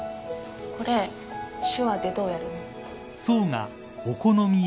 これ手話でどうやるの？